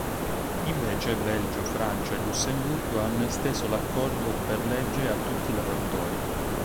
Invece, Belgio, Francia e Lussemburgo hanno esteso l'accordo per legge a tutti i lavoratori.